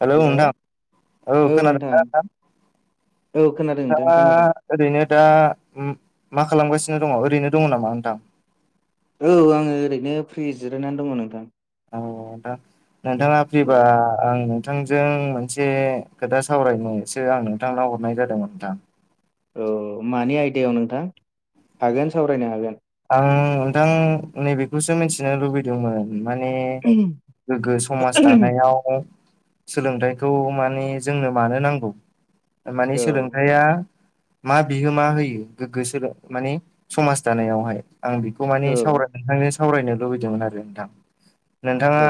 Hello नोंथां औ खोनादों ना नोंथां औ खोनादों नोंथां खोनादों नोंथा ओरैनो दा मा खालामगासिनो दङ ओरैनो दङ नामा नोंथां औ आङो ओरैनो फ्रि जिरायनानै दङ नोंथां। ओ दा नोंथाङा फ्रिबा आं थोंजों मोनसे खोथा सावरायनोसो आं नोंथांनाव हरनाय जादोंमोन नोथां। औ मानि आयदायाव नोंथां हागोन सावरायनो हागोन। आं नोंथां नैबेखौसो मिथिनो लुबै। दोंमोन माने गोग्गो समाज दानायाव। सोलोंथाइखौ माने जोंनो मानो नांगौ मानि औ सोलोंथाइया। मा बिहोमा होयो गोग्गो सोलों माने समाज दानायावहाय आं बेखौ माने औ सावराय नोंथांजों सावरायनो लुबैदोंमोन आरो नोंथां। नोंथाङा औ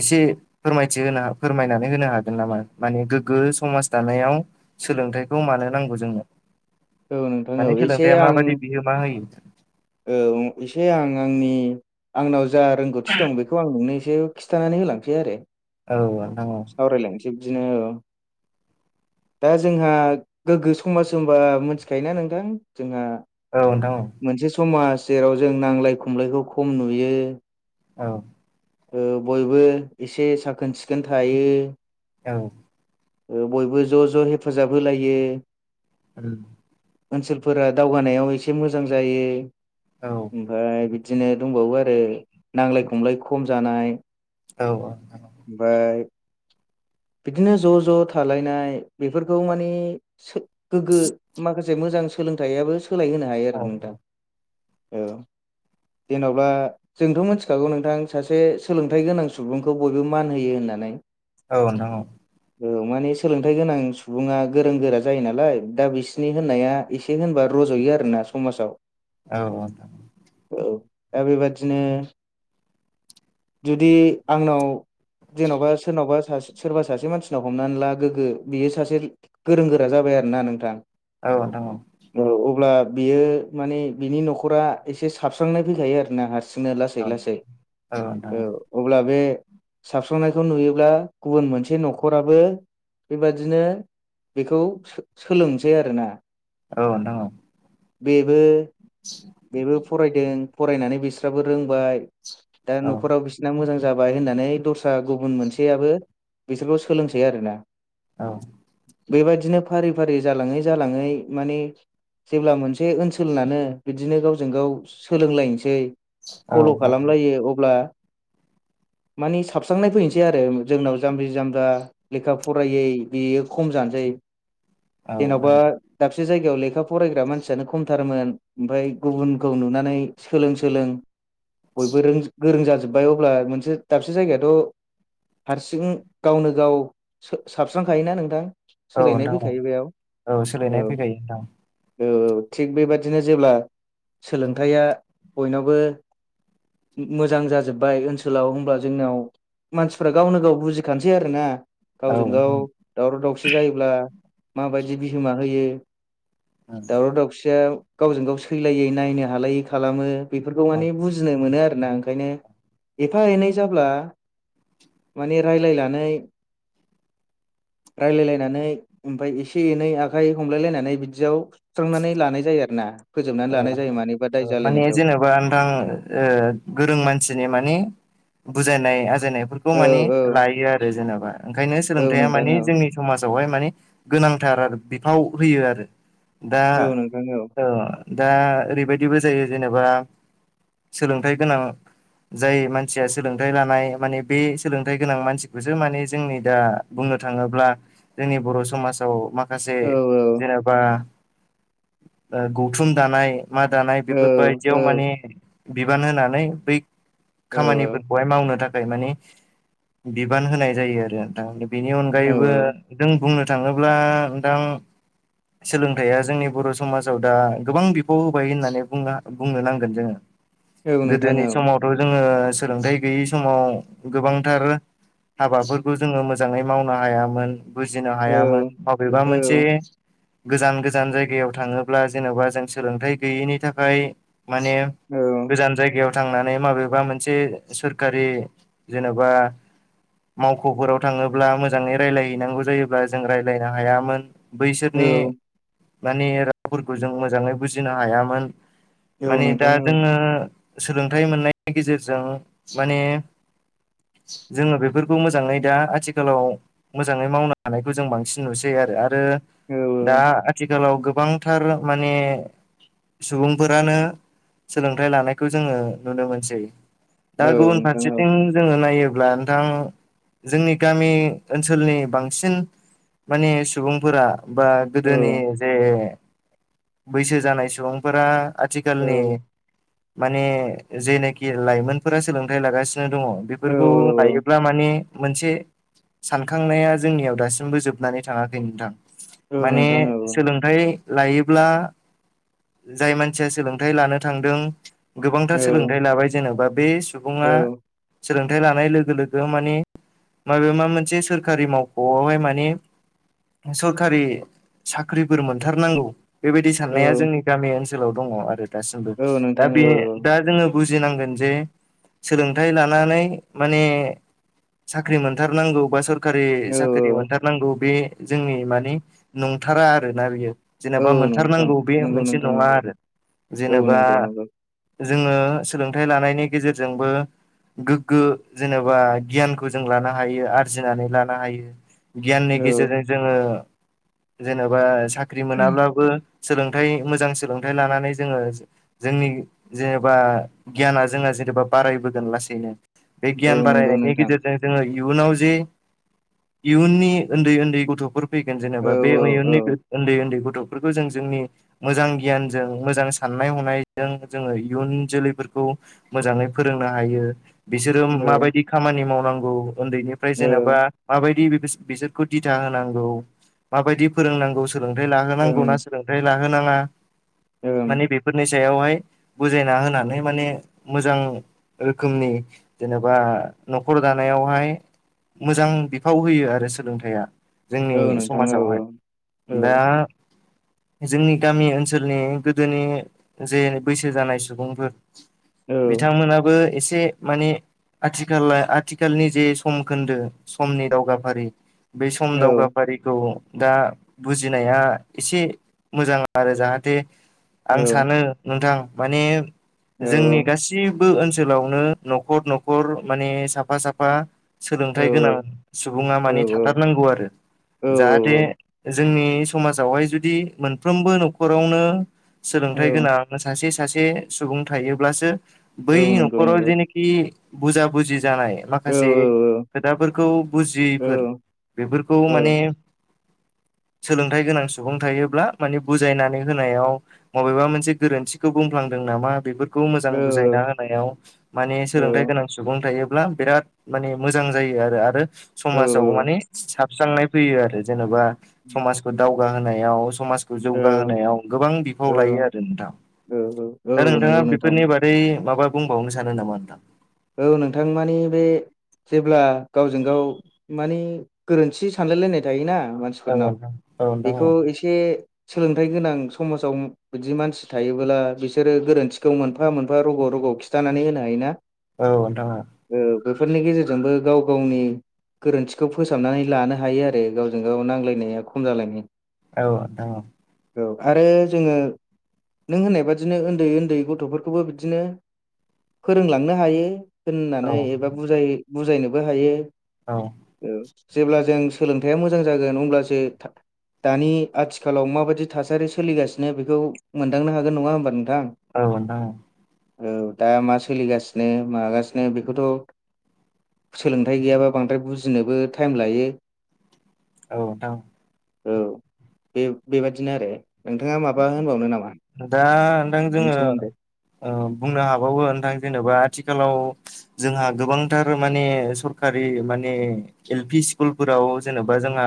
एसे फोरमायथि होनो फोरमायनानै होनो हागोन नामा माने गोग्गो समाज दानायाव सोलोंथाइखौ मानो नांगौ जोंनो औ नोंथां औ माने एसे सोलोंथाइया आं माबायदि बिहोम मा होयो। औ एसे आं आंनि आंनाव जा रोंगौथि दं बेखौ आं नोंनो एसे खिथानानै होलांसै आरो। औ नोंथां औ। सावरायलायसै बिदिनो औ दा जोंहा गोग्गो समाज होनबा मोनथिखायो ना नोंथां जोंहा औ नोंथां औ। मोनसे समाज जेराव जों नांलाय खमलायखौ खम नुयो। औ। ओ बयबो एसे साखोन सिखोन थायो। औ। ओ बयबो ज'-ज' हेफाजाब होलायो। [unintelligible] ओनसोलफोरा दावगानायाव एसे मोजां जायो। औ। ओमफाय बिदिनो दंबावो आरो नांलाय खमलाय खम जानाय औ-औ। ओमफाय बिदिनो ज'-ज' थालायनाय बेफोरखौ मानि सो गोग्गो माखासे मोजां सोलोंथाइयाबो सोलायहोनो हायो आरो नोंथां औ जेनबा जोंथ' मोनथिखागौ नोंथां सासे सोलोंथाइ गोनां सुबुंखौ बयबो मान होयो होननानै। औ नोंथां औ। औ माने सोलोंथाइ गोनां सुबुङा गोरों गोरा जायो नालाय दा बिसनि होननाया एसे होनबा र'ज'यो आरो ना समाजाव। औ अ नोंथां। औ दा बेबादिनो जुदि आंनाव जेनावबा सोरनावबा सासे सोरबा सासे मानसिनाव हमनानै ला गोग्गो बियो सासे गोरों गोरा जाबाय आरो ना नोंथां। औ नोंथां औ। औ अब्ला बियो माने बिनि नखरा एसे साबस्रांनाय फैखायो आरो ना हार सिंनो औ लासै-लासै औ अब्ला बे साबस्रांनायखौ नुयोब्ला गुबुन मोनसे नखराबो बेबादिनो बेखौ सो सोलोंसै आरोना। औ नोंथां औ। बेबो [inaudible] बेबो फरायदों फरायनानै बिस्राबो रोंबाय दा औ न'खराव बिस नों मोजां जाबाय होननानै दस्रा गुबुन मोनसेयाबो बिसोरखौ सोलोंसै आरो ना। औ। बेबायदिनो फारि फारि जालाङै जालाङै माने जेब्ला मोनसे ओनसोलानो बिदिनो गावजों गाव सोलोंलायनोसै औ फल' खालामलायो अब्ला मानिे साबस्रांनाय फैनोसै आरो जोंनाव जाम्बि जाम्बा लेखा फरायै बेयो खम जानोसै जेन'बा नोंथां दाबसे जायगायाव लेखा फरायग्रा मानसियानो खमथारमोन। ओमफाय गुबुनखौ नुनानै सोलों-सोलों बयबो रोंजो गोरों जाजोब्बाय अब्ला मोनसे दाबसे जायगायाथ' हारसिं गावनो गाव सो साबस्रांखायोना नोंथां। औ सोलायनाय नोंथां फैखायो बेयाव सोलायनाय औ फैखायो नोंथां थिग बेबादिनो जेब्ला सोलोंथाइया बयनावबो मोजां जाजोब्बाय ओनसोलाव होमब्ला जोंनिाव मानसि गफ्रा गावनो गाव बुजिखानोसै आरो ना औ गावजों गाव नोंथां दावराव दावसि जायोब्ला माबायदि बिहोमा होयो दावराव दावसिया गावजों गाव सैलायै नायनो हालायै खालामो बेफोरखौ औ माने बुजिनो मोनो आरोोना आं ओंखायनो एफा एनै जाब्ला माने रायज्लायनानै रायजलायलायनानै ओमफफ्राय एसे एनै आखाइ हमलायलायनानै बिदियाव ुस्रांनानै लानाय जायो आरो ना फोजोबनानै लानाय जायो औथां मानिबा दाय औ मानिे जालायनायखौ जेनेबा नोंथां गोरों मानसिनि मानि बुजायनाय आजायनायफोरखौ औ मानि औ लायो आरो जेनेबा ओंखायनो औ सोलोंथाइया नोंथां माने औ जोंनि समाजावहाय माने गोनांथार आरो बिफाव होयो आरो दा औ नोंथां औ दा ओरैबायदिबो जायो जेनेबा सोलोंथायाइ गोनां जाय मानसिया सोलोंथाइ लानाय माने बे सोलोंथाइ गोनां मानसिखौसो माने जोंनि दा बुंनो थाङोब्ला जोंनि बर' समाजाव मा माखासे औ जेनेबा गौथुम दानाय मा दानाय औ बेफोरबायायदियाव माने बिबान होनानै बै औ खामानि फोरखौहाय मावनो थाखाय मानिे बिबान होनाय जायो आरो दा बेनि अनगायैबो औ जों बुंनो थाङोब्ला दा सोलोंथाइया जोंनि बर' समाजाव दा गोबां बिफाव होबाय होननानै बुंनो नांगोन जोङो औ नोंथां गोदोनि औ समाव ' जोङो सोलोंथाइ गैयै समाव गोबांथार हाबाफोरखौ जोङो मोजाङै मावनो हायामोन बुजिनो औ हायामोन बबेबा औ मोनसे गोजान गोजान जायगायाव थाङोब्ला जेन'बा जों सोलोंथाइ गैयैनि थाखाय माने औ गोजान जायगायाव थांनानै माबेबा मोनसे सोरखारि जेन'बा मावख'फोराव थाङोब्ला मोजाङै रायज्लायहैनांगौ जायोब्ला जों रायज्लायनो हायामोन बैसोरनि माने रावफोरखौ जों मोजाङै बुजिनो हायामोन औ माने दा नोंथां औ जोङो सोलोंथाइ मोननायनि गेजेरजों माने जोङो बेफोरखौ मोजाङै दा आथिखालाव मोजाङै मावनो हानायखौ जों बांसिन नुसै आरो आरो औ दा आथिखालाव गोबांथार माने सुबुंफोरानो सोलोंथाइ लानायखौ जोङो नुनो मोनसै दाग औ नोंथां औ फारसेथिं जोङो नायोब्ला नोंथां जोंनि गामि ओनसोलनि बांसिन मानि सुबुंफोरा बा गोदोनि जे बैसो जानाय सुबुंफोरा औ आथिखालनि माने जेनाखि लाइमोनफोरा सोलोंथाइ लागासिनो दङ औ बेफोरखौ नायायोोबब्ला माने मोनसे सानखांनाया जोंनियाव दासिमबो जोबनानै थाङाखै नोंथां औ माने नोंथां औ सोलों हाय लायोब्ला जाय मानसिया सोलोंथायाइ लानो थांदों गोबांथार औ सोलोंथाइ लाबाय जेन'बा बे सुबुङा औ सोलोंथाइ लानाय लोगो लोगो मानिे माबे माबा मोनसे सोरखारि मावख'आवहाय मानि सरखारि साख्रिफोर मोनथारनांगौ बेबायदि साननाया जोंनि गामि ओनसोलाव दङ आरो दासिमबो औ नोंथां दा बे औ दा जोङो बुजिनांगोन जे सोलोंथाइ लानानै माने साख्रि मोनथारनांगौ बा सोर सरखारि औ साख्रि औ मोनथारनांगौ बे जोंनि मानि नंथारा आरोना बेयो औ नों नांगौ बे मोनसे नङा आरो औ जेनेबा नंगौ नंगौ जोङो सोलोंथाइ लानायनि गेजेरजोंबो गोग्गो जेनेबा गियानखौ जों लानो हायो आरजिनानै लानो हायो। गियाननि औ गेजेरजों जोङो जेन'बा साख्रि मोनाब्लाबो सोलोंथाइ मोजां सोलोंथाइ लानानै जोङो जोंनि जेनेबा गियाना जोंहा जेनेबा बारायबोगोन लासैनो बे औ गियान नंगौ बारायनायनि नोंथां गेजेरजों जोङो इयुनाव जे इयुननि उन्दै उन्दै गथ' फैगोन औ जेनेबा बे औ औ उयुननि उन्दै उन्दै गथ'फोरखौ जों जोंनि मोजां गियानजों मोजां साननाय हनायजों जोङो इयुन जोलैफोरखौ मोजाङै फोरोंनो हायो। बिसोरो औ माबायदि खामानि मावनांगौ उन्दैनिफ्राय औ जेनेबा माबायदि बिसोरखौ दिथा होनांगौ माबायदि फोरोंनांगौ सोलोंथाइ लाहोनांगौ ना। ओं ना‌ होनाङा ओं माने बे फोरनि सायावहाय बुजायना होनानै माने मोजां रोखोमनि जेनेबा न'खर दानायावहाय मोजां बिफाव होयो आरो सोलोंथाइया जोंनि औ नोंथां औ समाजावहाय औ दा जोंनि गामि ओनसोलनि गोदोनि जे बैसो जानाय सुबुंफोर औ बिथांमोनाबो एसे माने आथिखला आथिखालनि जे सम खोन्दो समनि दावगाफारि बे सम औ दावगाफारिखौ दा बुजिनाया एसे मोजां आरो जाहाथे औ आं सानो नोंथां माने जोंनि गासिबो ओनसोलावनो न'खर न'खर माने साफा साफा औ सोलोंथाइ गोनां सुबुङा मानिे थाथारनांगौ आरो जाहाथे जोंनि समाजावहाय जुदि मोनफ्रोमबो न'खरावनो सोलोंथाइ गोनां सासे सासे सुबुं थायोब्लासो बै औ नंगौ न'खराव नंगौ जेनेखि बुजा बुजि जानाय औ माखासे औ खोथाफोरखौ बुजियैफोर बेफोरखौ औ माने सोलोंथाइ गोनां सुबुं थायोब्ला माने बुजायनानै होनायाव मबेबा मोनसे गोरोन्थिखौ बुंफ्लांदों नामा बेफोर खौ मोजां औ बुजायना होनायाव माने औ सोलोंथायाइ गोनां सुबुं थायोब्ला बिराद माने मोजां जायो आरो आरो औ समाजाव माने साबस्रांनाय फैयो आरो जेनेबा समाज दावगा होनोनायाव सम जौगाहोनायाव गोबां बिफाव लायो आरो नोंथाङा औ दा नोंथाङा नंगौ नोंथां बेफोरनि बादै बै माबा बुंबावनो सानो नामा नोंथां औ नोंथां मानि बे जेब्ला गावजों गाव मानि गोरोन्थि सानलाय लायनाय थायोना माने मानसिफोरनाव नोंथां औ नोंथां बेखौ एसे सोलोंथाइ गोनां समाजाव बिदि मानसि थायोबोब्ला बिसोरो गोरोन्थिखौ मोनफा मोनफा रग' रग' खिथानानै होनो हायो ना औ नोंथां औ बेफोरनि गेजेरजोंबो गाव गावनि गोरोन्थिखौ फोसाबनानै लानो हायो आरो गावजों गाव नांजलायनाया खम जालायनाय औ औ औ आरो जोङो नों होननाय बादिनो उन्दै उन्दै गथ'फोरखौबो बिदिनो फोरोंलां नो हायो औ होननानै एबा बुजाय बुजायनोबो हायो औ औ जेब्ला जों सोलोंथाइया मोजां जागोन अब्लासो दानि आथिखालाव माबायदि थासारि सोलिगासिनो बेखौ मोनदांनो हागोन नङा होमबा नोंथां औ नोंथां औ औ दा मा सोलिगासिनो मागासिनो बेखौथ' सोलोंथाइ गैयाबा बांद्राय बुजिनोबो टाइम लायो औ नोंथां औ बे-बेबादिनो आरो नोंथाङा माबा होनबावनो नामा दा नोंथां बेनि जोङो सोमोन्दै ओ बुंनो हाबावो नोंथां जेनेबा आथिखालाव जोंहा गोबांथार माने सरखारि माने एल पि स्कुलफोराव जेनेबा जोंहा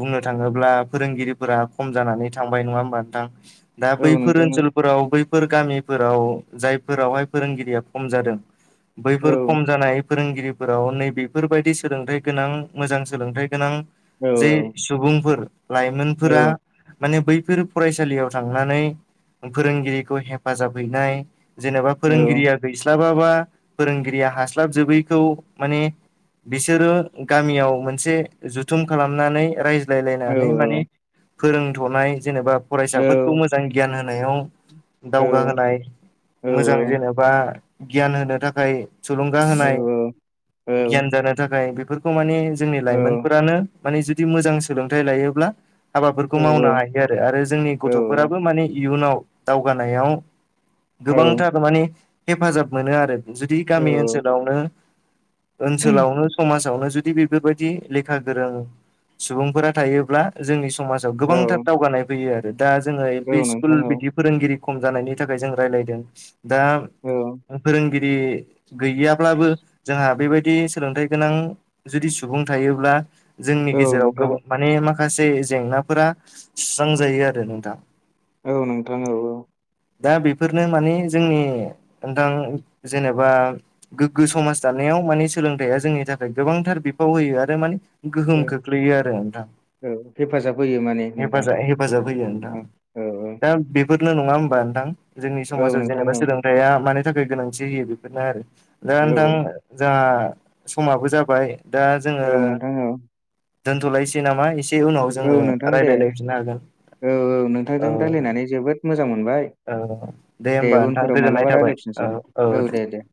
बुंनो थाङोब्ला फोरोंगिरिफोरा खम जानानै थांबाय नङा होमबा नोंथां दा औ बैफोर नोंथां औ ओनसोलफोराव बैफोर गामिफोराव जायफोरावहाय फोरोंगिरिया खम जादों बैफोर खम जानाय फोरोंगिरिफोराव नैबेफोरबायदि सोलोंथाइ गोनां मोजां सोलोंथाइ गोनां औ जे सुबुंफोर औ लाइमोनफोरा माने बैफोर फरायसालियाव थांनानै फोरोंगिरिखौ हेफाजाब हैनाय जेनेबा औ फोरोंगिरिया गैस्लाबाबा फोरोंगिरिया हास्लाबजोबैखौ माने बिसोरो गामियाव मोनसे जथुम खालामनानै रायज औ लाइलाइनानै मान फोरोंथ'नाय जेनेबा फरायसाफोरखौ मोज गियान होनायाव औ दावगाहोनाय मोजां जेनेबा गियान होनो थाखाय थुलुंगा औ होनाय औ गियान जानो थाखाय बेफोरखौ माने जोंनि लाइमोनफोरानो माने जुदि मोजां सोलोंथाइ लायोब्ला हाबाफोरखौ मावनो हायोआरो आरो जोंनि गथ'फोराबो माने इयुनाव दावगानायाव औ गोबांथार माने हेफाजाब मोनोआरो जुदि औ गामि औ ओनसोलावनो ओनसोलावनो समाजावनो जुदि बे बेफोरबायदि लेखा गोरों सुबुंफोरा थायोब्ला जोंनि स समाजाव औ गोबांथार दावगानाय फैयो आरो दा जोङो एल औ पि नोंथां स्कुल औ बिदि फोरोंगिरि खम जानायनि थाखाय जों रायलायदों दा औ फोरोंगि रि गैयाब्लाबो जोंहा बेबायदि सोलोंथाइ गोनां जुदि सुबुं थायोब्ला जोंनि औ गेजेराव नोंथां गोबां माने माखासे जेंनाफोरा सुस्रांजायो आरो नोंथां औ नोंथां औ औ दा बेफोरनो माने जोंनि नोंथां जेनेबा गोग्गो समाज दानायाव माने सोलोंथाया जोंनि थाखाय गोबांथार बिफाव होयो आरो माने औ गोहोम खोख्लैयोआरो नोंथां औ हेफाजाब होयो माने नोंथां हेफाजा हेफाजाब होयो नोंथां औ औ थां बेफोरनो' नङा होनबा नोंथां जोंनि औ समाव नोंथां जेनेबा औ सोंलों था मानि थाखाय गोनांथि होयो बेफोरनो आरो दा औ नोंथां जाहा समाबो जाबाय दा जोङो औ नोंथां औ दोनथ'लायसै नामा एसे उनाव औ जोङो नोंथां दे रायज्लायलायफिननो हागोन औ औ औ नोंथांजों रायज्लायनानै जोबोद मोजां मोनबाय औ दे होमबा नोंथां उनफोराव गोजोननाय मालाबा थाबाय रायलायफिननोसै औ औ दे दे